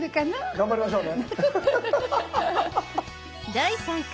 頑張りましょうね。